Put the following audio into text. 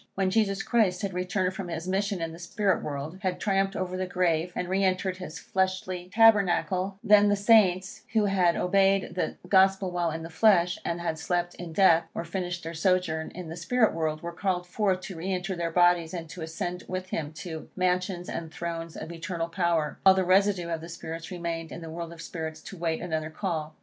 When Jesus Christ had returned from his mission in the spirit world, had triumphed over the grave, and re entered his fleshly tabernacle, then the Saints who had obeyed the Gospel while in the flesh, and had slept in death, or finished their sojourn in the spirit world, were called forth to re enter their bodies, and to ascend with him to mansions and thrones of eternal power, while the residue of the spirits remained in the world of spirits to await another call.